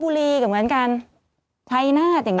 ศูนย์อุตุนิยมวิทยาภาคใต้ฝั่งตะวันอ่อค่ะ